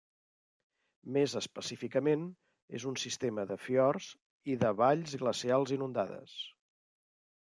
Més específicament és un sistema de fiords i de valls glacials inundades.